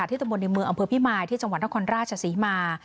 ตะบนในเมืองอำเภอพิมายที่จังหวัดนครราชศรีมา